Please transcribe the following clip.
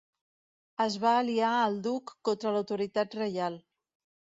Es va aliar al duc contra l'autoritat reial.